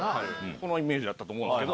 このイメージだったと思うんですけど。